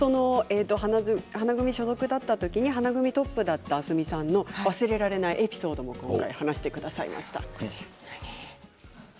花組所属だった時に花組トップだった明日海さんの忘れられないエピソードも今回話してくださいました。